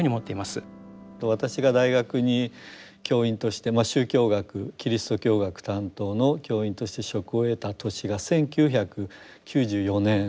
私が大学に教員として宗教学キリスト教学担当の教員として職を得た年が１９９４年でした。